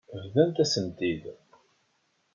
Bḍant-as-tent-id.